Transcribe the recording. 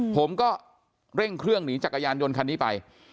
ผมก็เร่งเครื่องหนีจักรยานยนต์คันนี้ไป